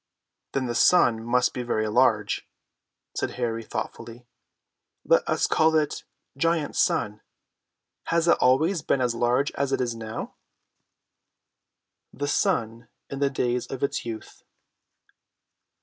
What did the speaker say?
"Then the sun must be very large," said Harry thoughtfully. "Let us call it GIANT SUN. Has it always been as large as it is now?" THE SUN IN THE DAYS OF ITS YOUTH.